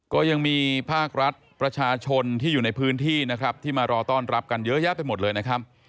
ก็ยังมีภาครัฐประชาชนที่อยู่ในพื้นที่นะครับที่มารอต้อนรับกันเยอะแยะไปหมดเลยนะครับ